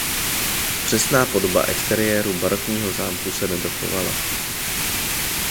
Přesná podoba exteriéru barokního zámku se nedochovala.